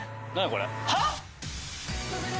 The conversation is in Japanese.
これ。はぁ？